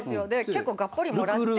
結構がっぽりもらって。